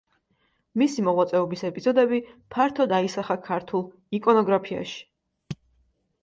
მისი მოღვაწეობის ეპიზოდები ფართოდ აისახა ქართულ იკონოგრაფიაში.